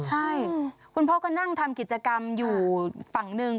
ใช่คุณพ่อก็นั่งทำกิจกรรมอยู่ฝั่งหนึ่ง